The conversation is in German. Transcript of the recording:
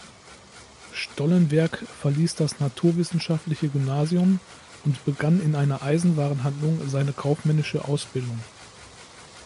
Stollenwerk verließ das naturwissenschaftliche Gymnasium und begann in einer Eisenwarenhandlung seine kaufmännische Ausbildung.